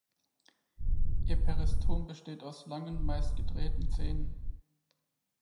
Ihr Peristom besteht aus langen, meist gedrehten Zähnen.